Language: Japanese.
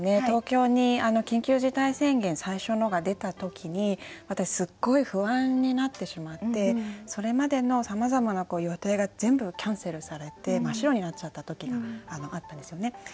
東京に緊急事態宣言最初のが出た時に私すっごい不安になってしまってそれまでのさまざまな予定が全部キャンセルされて真っ白になっちゃった時があったんですよね。